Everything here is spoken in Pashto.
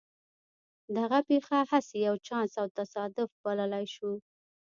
دغه پېښه هسې يو چانس او تصادف بللای شو.